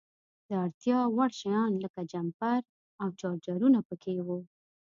د اړتیا وړ شیان لکه جمپر او چارجرونه په کې وو.